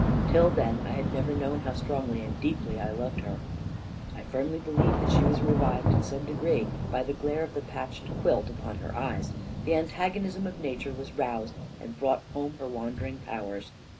Till then I had never known how strongly and deeply I loved her. I firmly believe that she was revived in some degree by the glare of the patched quilt upon her eyes. The antagonism of nature was roused, and brought home her wandering powers.